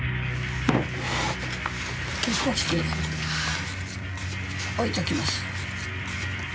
こうして置いときます。